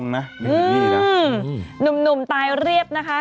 หนุ่มตายเรียบนะคะ